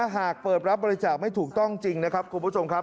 หากเปิดรับบริจาคไม่ถูกต้องจริงนะครับคุณผู้ชมครับ